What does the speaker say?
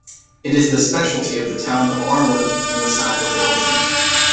It is the specialty of the town of Arlon, in the south of Belgium.